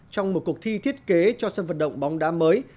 trong một cuộc thi thiết kế cho sân vận động bóng đá mới